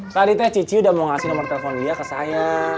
tadi teh cici udah mau ngasih nomer telepon dia ke saya